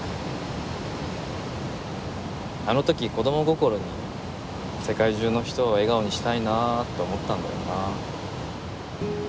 あの時子供心に世界中の人を笑顔にしたいなと思ったんだよなあ。